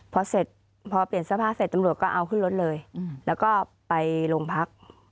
พอเสร็จพอเปลี่ยนเสื้อผ้าเสร็จตำรวจก็เอาขึ้นรถเลยแล้วก็ไปโรงพัก